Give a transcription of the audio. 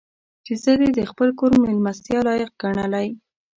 چې زه دې د خپل کور مېلمستیا لایق ګڼلی.